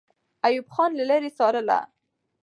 ایوب خان له لرې څارله.